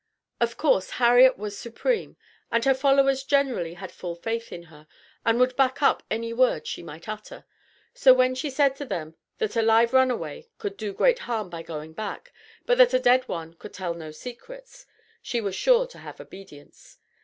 Of course Harriet was supreme, and her followers generally had full faith in her, and would back up any word she might utter. So when she said to them that "a live runaway could do great harm by going back, but that a dead one could tell no secrets," she was sure to have obedience.